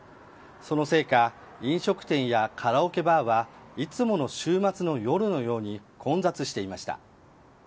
そのせいか飲食店やカラオケバーはいつもの週末の夜のように混雑していました。